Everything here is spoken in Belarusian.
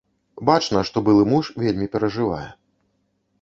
Бачна, што былы муж вельмі перажывае.